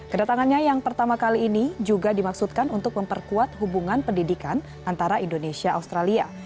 kedatangannya yang pertama kali ini juga dimaksudkan untuk memperkuat hubungan pendidikan antara indonesia australia